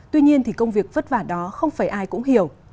tuy nhiên thì công việc vất vả đó không phải ai cũng hiểu